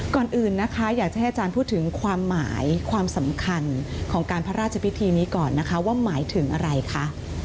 ก่อนอื่นนะคะอยากจะให้อาจารย์พูดถึงความหมายความสำคัญของการพระราชพิธีนี้ก่อนนะคะว่าหมายถึงอะไรคะ